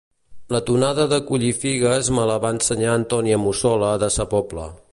La tonada de collir figues me la va ensenyar Antònia Mussola de sa Pobla